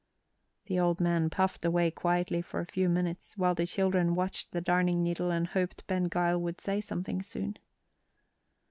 The old man puffed away quietly for a few minutes, while the children watched the darning needle and hoped Ben Gile would say something soon.